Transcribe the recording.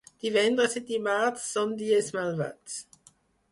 Divendres i dimarts són dies malvats.